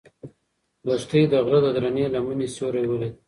لښتې د غره د درنې لمنې سیوری ولید.